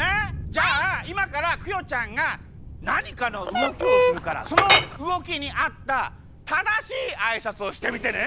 じゃあいまからクヨちゃんがなにかのうごきをするからそのうごきにあったただしいあいさつをしてみてね。